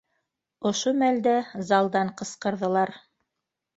Ошо мәлдә залдан ҡысҡырҙылар: